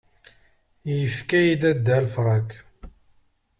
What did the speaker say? Yefka-iyi Ddada aleffrank.